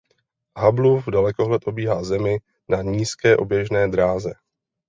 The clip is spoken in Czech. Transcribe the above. Hubbleův dalekohled obíhá Zemi na nízké oběžné dráze.